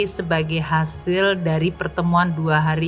sebagai hasil dari pertemuan dua hari